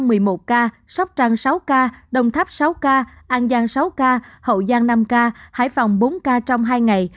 hà nội ba mươi một ca vĩnh long một mươi một ca sóc trang sáu ca đồng tháp sáu ca an giang sáu ca hậu giang năm ca hải phòng bốn ca trong hai ngày